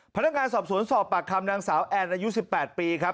พนักงานสอบสวนสอบปากคำนางสาวแอนอายุ๑๘ปีครับ